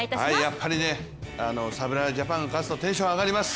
やっぱりね、侍ジャパンが勝つとテンション上がります。